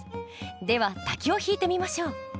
では「滝」を引いてみましょう。